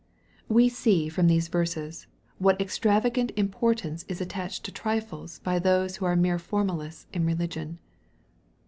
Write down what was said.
We see from these verses, what extravagant importance is attached to trifles by those who are mere formalists in re ligion.